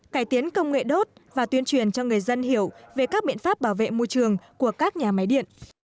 cải tiến công nghệ đốt và tuyên truyền cho người dân hiểu về các biện pháp bảo vệ môi trường của các nhà máy điện